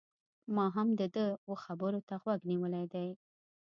ما هم د ده و خبرو ته غوږ نيولی دی